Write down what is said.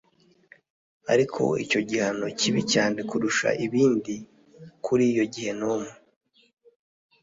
Ari cyo gihano kibi cyane kurusha ibindi kuri iyo gehinomu